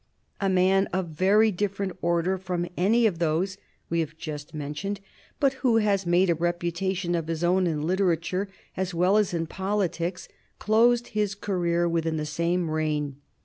A man of a very different order from any of these we have just mentioned, but who has made a reputation of his own in literature as well as in politics, closed his career within the same reign.